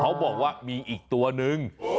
เขาบอกว่ามีอีกตัวนึง